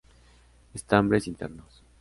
Estambres internos.